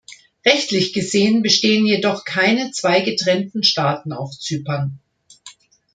Rechtlich gesehen bestehen jedoch keine zwei getrennten Staaten auf Zypern.